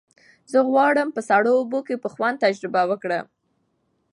زه غواړم په سړو اوبو کې په خوند تجربه وکړم.